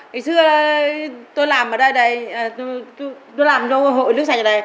thời xưa tôi làm ở đây tôi làm ở hội nước sạch ở đây